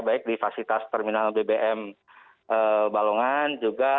baik di fasilitas terminal bbm balongan juga